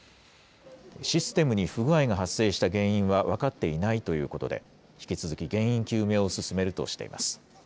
システムに不具合が発生した原因は分かっていないということで、引き続き、原因究明を進めるとしています。